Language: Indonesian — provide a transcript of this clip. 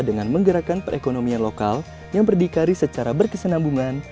dengan menggerakkan perekonomian lokal yang berdikari secara berkesenambungan